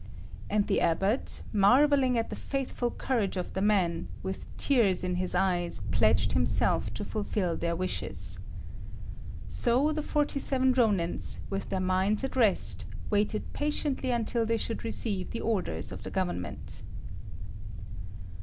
And the abbot, marvelling at the faithful courage of the men, with tears in his eyes pledged himself to fulfil their wishes. So the forty seven Rônins, with their minds at rest, waited patiently until they should receive the orders of the Government.